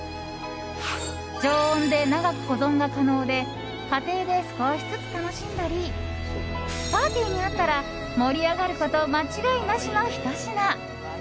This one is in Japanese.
常温で長く保存が可能で家庭で少しずつ楽しんだりパーティーにあったら盛り上がること間違いなしのひと品。